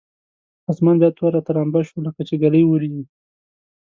اسمان بیا توره ترامبه شو لکچې ږلۍ اورېږي.